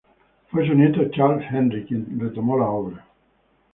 Fue su nieto Charles-Henri quien retomó la obra.